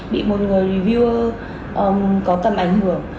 bị một người reviewer có tầm ảnh hưởng